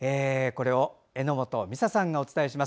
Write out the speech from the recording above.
榎本美沙さんがお伝えします。